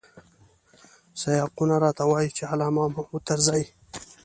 سیاقونه راته وايي چې علامه محمود طرزی.